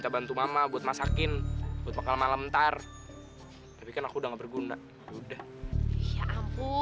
kau tuh ngaco deh